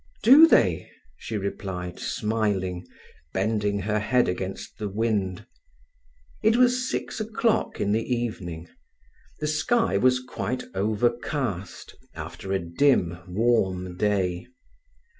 "Do they?" she replied, smiling, bending her head against the wind. It was six o'clock in the evening. The sky was quite overcast, after a dim, warm day.